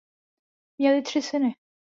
Měli tři syny.